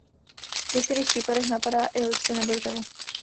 V některých případech napadá i listy nebo dřevo.